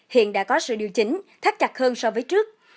hiện đã có sự điều chỉnh thắt chặt hơn so với trước